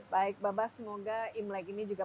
baik bapak semoga imlek ini juga